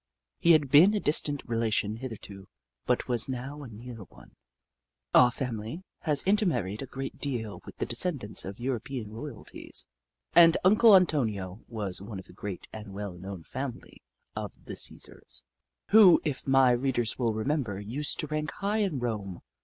He had been a distant relation hitherto, but was now a near one. Our family has intermarried a great deal with the descendants of European royalties, and Uncle Antonio was of the great and well known family of the Csesars, who, if my read ers will remember, used to rank high in Rome.